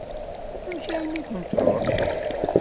Amek armi i kent-tṛuḥ?